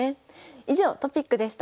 以上トピックでした。